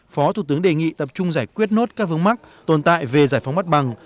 phó thủ tướng đề nghị tập trung giải quyết nốt các vướng mắt tồn tại về giải phóng mắt bằng